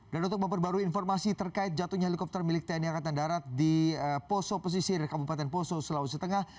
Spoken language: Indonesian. untuk memperbarui informasi terkait jatuhnya helikopter milik tni angkatan darat di poso pesisir kabupaten poso sulawesi tengah